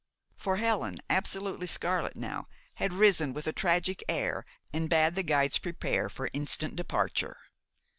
For Helen, absolutely scarlet now, had risen with a tragic air and bade the guides prepare for instant departure.